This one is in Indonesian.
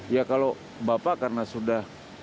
ya kalau bapak karena sudah